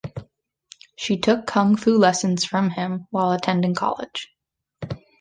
She took Kung Fu lessons from him while attending college.